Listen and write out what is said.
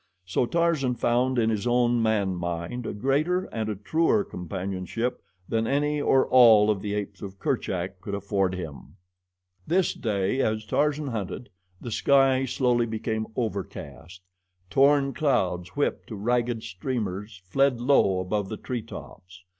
So Tarzan found in his own man mind a greater and a truer companionship than any or all of the apes of Kerchak could afford him. This day, as Tarzan hunted, the sky slowly became overcast. Torn clouds, whipped to ragged streamers, fled low above the tree tops.